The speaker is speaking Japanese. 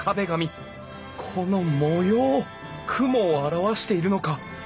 この模様雲を表しているのか。